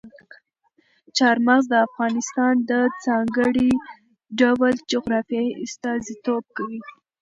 چار مغز د افغانستان د ځانګړي ډول جغرافیې استازیتوب کوي.